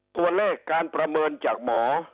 ตัวเลขการประเมินจากหมอ